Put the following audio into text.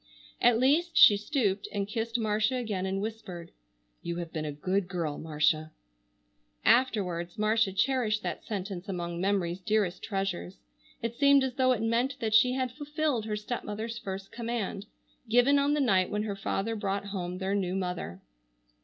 At least she stooped and kissed Marcia again and whispered: "You have been a good girl, Marcia." Afterwards, Marcia cherished that sentence among memory's dearest treasures. It seemed as though it meant that she had fulfilled her stepmother's first command, given on the night when her father brought home their new mother.